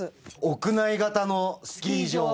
屋内型のスキー場。